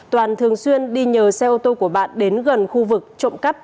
toàn thường xuyên đi nhờ xe ô tô của bạn đến gần khu vực trộm cắp